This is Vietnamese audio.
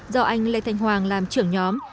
do anh lê thành hoàng làm trưởng nhóm